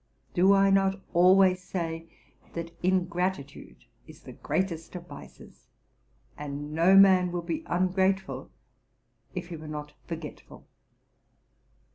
Do I not always say, that in gratitude is the greatest of vices, and no man would be ungrateful if he were not forgetful?